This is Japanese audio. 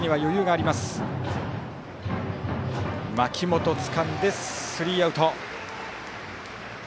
槇本つかんでスリーアウト。